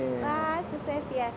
wah sukses ya